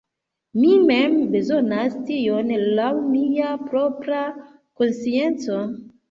Mi mem bezonas tion laŭ mia propra konscienco.